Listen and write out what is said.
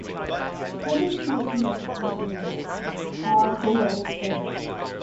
"I think we were too young to be married," Harkleroad said.